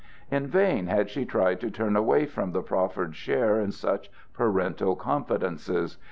In vain had she tried to turn away from the proffered share in such parental confidences.